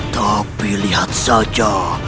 tapi lihat saja